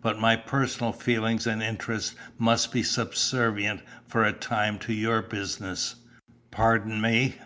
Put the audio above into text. But my personal feelings and interests must be subservient for a time to your business." "Pardon me."